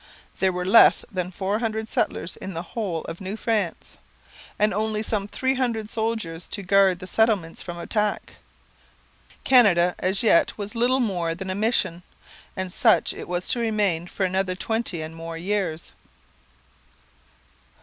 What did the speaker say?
There were less than four hundred settlers in the whole of New France, and only some three hundred soldiers to guard the settlements from attack. Canada as yet was little more than a mission; and such it was to remain for another twenty and more years.